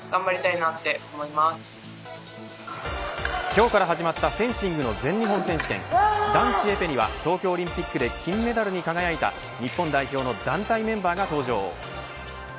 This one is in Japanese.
今日から始まったフェンシングの全日本選手権男子エペには東京オリンピックで金メダルに輝いた日本代表の団体メンバーが登場。